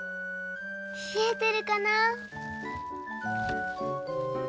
ひえてるかな。